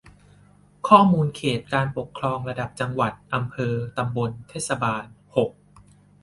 ข้อมูลเขตการปกครองระดับ จังหวัด อำเภอ ตำบล เทศบาล หก